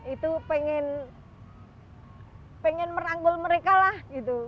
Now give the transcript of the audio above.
itu pengen pengen meranggul mereka lah gitu